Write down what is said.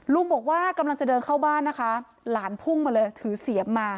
ลุงบอกว่ากำลังจะเดินเข้าบ้านนะคะหลานพุ่งมาเลยถือเสียมมา